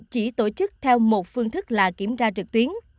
chỉ tổ chức theo một phương thức là kiểm tra trực tuyến